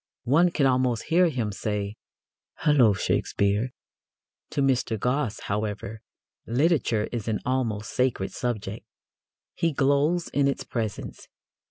One can almost hear him saying, "Hullo, Shakespeare!" To Mr. Gosse, however, literature is an almost sacred subject. He glows in its presence.